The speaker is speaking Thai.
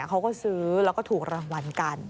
เขาก็ซื้อแล้วก็ถูกรางวัลกัน